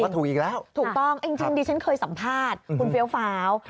ก็ถูกอีกแล้วถูกต้องจริงดิฉันเคยสัมภาษณ์คุณเฟี้ยวฟ้าว